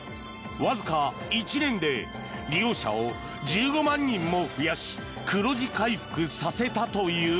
わずか１年で利用者を１５万人も増やし黒字回復させたという。